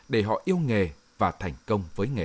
để họ yêu nghề và thành công với nghề